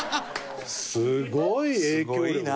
すごい影響力だな。